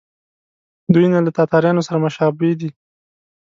دوی نه له تاتارانو سره مشابه دي.